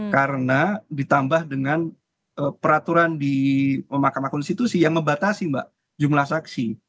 karena ditambah dengan peraturan di mahkamah konstitusi yang membatasi jumlah saksi